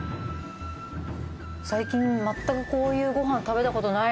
最近全くこういうご飯食べた事ない。